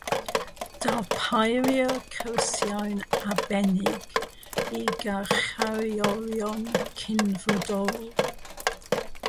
Darperir cyrsiau'n arbennig i garcharorion Cynfrodorol.